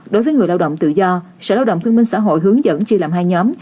đối với người lao động tự do sở lao động thương minh xã hội hướng dẫn chia làm hai nhóm